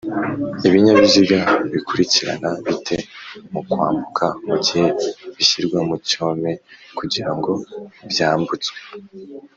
Ibinyabiziga bikurikirana bite mukwambuka mugihe bishyirwa mu cyome Kugirango byambutswe